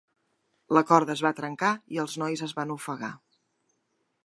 La corda es va trencar i els nois es van ofegar.